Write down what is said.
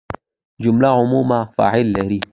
جمله عموماً فعل لري.